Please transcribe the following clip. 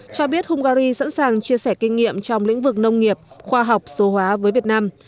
cho biết hungary sẵn sàng chia sẻ kinh nghiệm trong lĩnh vực nông nghiệp khoa học số hóa với việt nam